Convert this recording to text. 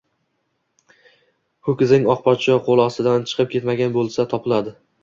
Ho‘kizing oq poshsho qo‘l ostidan chiqib ketmagan bo‘lsa, topiladi